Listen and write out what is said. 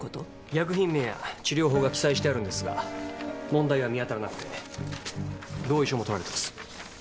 薬品名や治療法が記載してあるんですが問題は見当たらなくて同意書も取られてます。